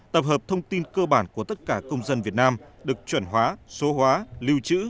tập hợp thông tin cơ bản của tất cả công dân việt nam được chuẩn hóa số hóa lưu trữ